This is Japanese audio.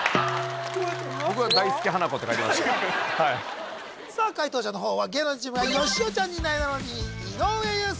僕は大助花子って書いてましたはいさあ解答者のほうは芸能人チームはよしおちゃんになえなのに井上裕介